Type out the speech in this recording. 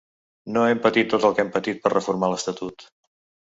No hem patit tot el que hem patit per reformar l’estatut.